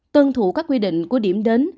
tân thủ các quy định của điểm đến